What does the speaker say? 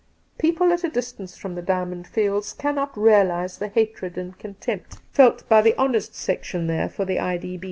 People at a distance from the Diamond Fields cannot realize the hatred and contempt felt by the 224 Two Christmas Days honest section there for the I.D.B.'